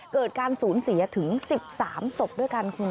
เกิดการสูญเสียถึง๑๓ศพด้วยกันคุณ